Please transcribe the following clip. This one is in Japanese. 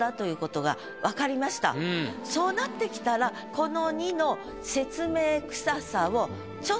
そうなってきたらこの。